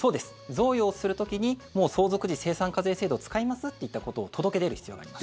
贈与をする時にもう相続時精算課税制度を使いますといったことを届け出る必要があります。